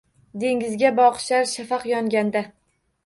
Dengizga boqishar shafaq yonganda